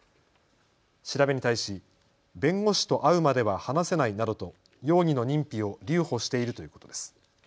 調べに対し弁護士と会うまでは話せないなどと容疑の認否を留保しているということです。